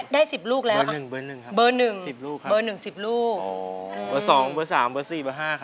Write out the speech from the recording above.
ได้สิบลูกแล้วเบอร์หนึ่งสิบลูกครับเบอร์หนึ่งสิบลูก